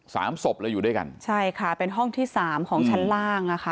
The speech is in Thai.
สามศพเลยอยู่ด้วยกันใช่ค่ะเป็นห้องที่สามของชั้นล่างอ่ะค่ะ